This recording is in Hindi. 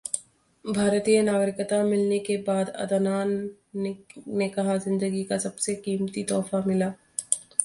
भारतीय नागरिकता मिलने के बाद अदनान ने कहा- जिंदगी का सबसे कीमती तोहफा मिला